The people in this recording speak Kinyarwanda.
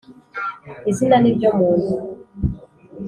Izina ni ryo muntu.